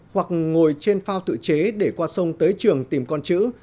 hoặc ngồi trên phao tự chế để qua sông tới trường tìm con chữ